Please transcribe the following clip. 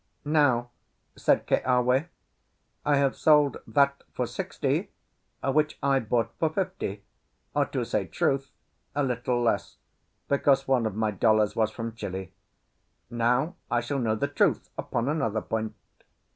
"Now," said Keawe, "I have sold that for sixty which I bought for fifty—or, to say truth, a little less, because one of my dollars was from Chili. Now I shall know the truth upon another point."